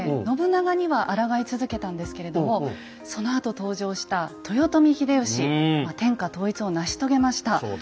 信長にはあらがい続けたんですけれどもそのあと登場した豊臣秀吉天下統一を成し遂げました。